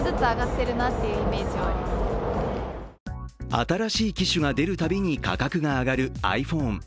新しい機種が出るたびに価格が上がるｉＰｈｏｎｅ。